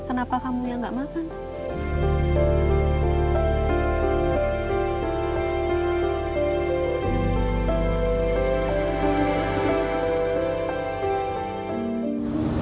kenapa kamu yang nggak makan